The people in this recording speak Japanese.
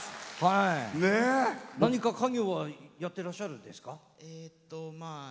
何か家業はやってらっしゃるんですか。